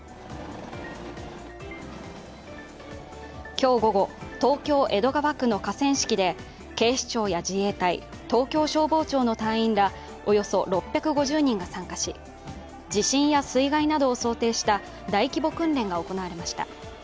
今日午後、東京・江戸川区の河川敷で警視庁や自衛隊、東京消防庁の職員、およそ６５０人が参加し、地震や水害などを想定した大規模訓練が行われました。